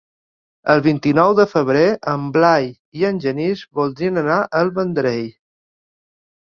El vint-i-nou de febrer en Blai i en Genís voldrien anar al Vendrell.